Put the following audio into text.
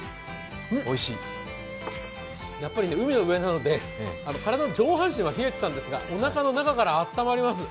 やっぱり海の上なので、体の上半身は冷えていたんですが、おなかの中からあったまります。